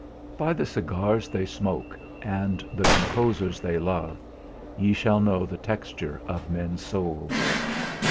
By the cigars they smoke, and the composers they love, ye shall know the texture of men's souls.